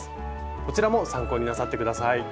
こちらも参考になさって下さい。